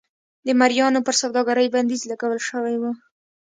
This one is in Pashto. د مریانو پر سوداګرۍ بندیز لګول شوی و.